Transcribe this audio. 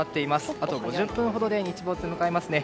あと５０分ほどで日没を迎えますね。